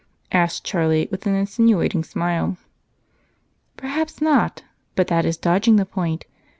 asked Charlie with an insinuating smile. "Perhaps not, but that is dodging the point.